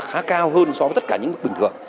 khá cao hơn so với tất cả những mức bình thường